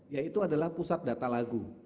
yaitu adalah pusat data lagu